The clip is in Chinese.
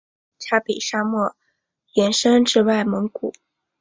察北沙漠延伸至外蒙古。